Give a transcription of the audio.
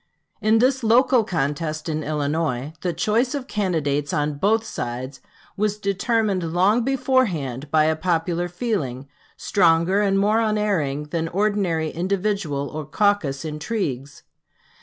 In this local contest in Illinois, the choice of candidates on both sides was determined long beforehand by a popular feeling, stronger and more unerring than ordinary individual or caucus intrigues.